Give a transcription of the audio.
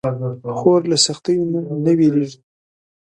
خور له سختیو نه نه وېریږي.